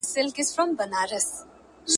مګر پام کوه چي خوله دي نه کړې خلاصه ,